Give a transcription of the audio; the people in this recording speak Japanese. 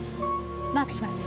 マークします。